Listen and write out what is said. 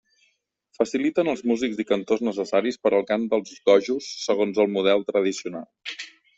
Faciliten els músics i cantors necessaris per al cant dels gojos segons el model tradicional.